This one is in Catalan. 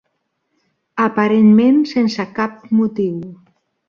Aparentment sense cap motiu